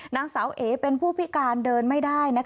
นางสาวเอ๋เป็นผู้พิการเดินไม่ได้